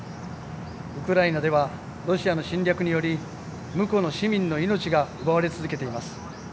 ウクライナではロシアの侵略により無辜の市民の命が奪われ続けています。